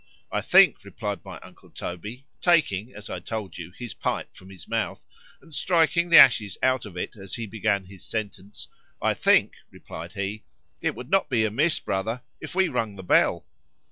—I think, replied my uncle Toby,—taking, as I told you, his pipe from his mouth, and striking the ashes out of it as he began his sentence;——I think, replied he,—it would not be amiss, brother, if we rung the bell.